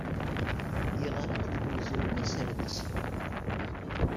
Yeɣra deg umezruy aserdasi